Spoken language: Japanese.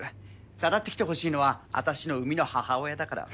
さらってきてほしいのはあたしの生みの母親だから。